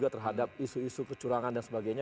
terhadap isu isu kecurangan dan sebagainya